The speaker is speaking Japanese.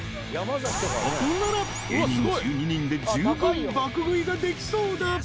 ［ここなら芸人１２人でじゅうぶん爆食いができそうだ］